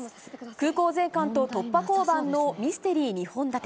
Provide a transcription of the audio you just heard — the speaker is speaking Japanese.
空港税関と突破交番のミステリー２本立て。